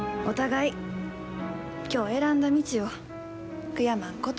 お互い今日選んだ道を悔やまんこと。